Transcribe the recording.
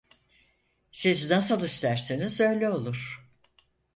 Siz nasıl isterseniz öyle olur!